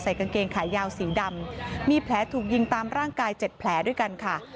กางเกงขายาวสีดำมีแผลถูกยิงตามร่างกาย๗แผลด้วยกันค่ะ